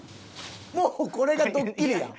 もうこれがドッキリやん。